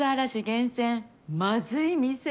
厳選まずい店。